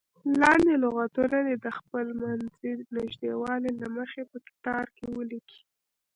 لاندې لغتونه دې د خپلمنځي نږدېوالي له مخې په کتار کې ولیکئ.